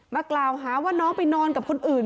มากล่าวหาว่าน้องไปนอนกับคนอื่น